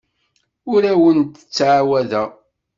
Ur awent-d-ttɛawadeɣ.